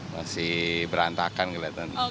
masih berantakan kelihatan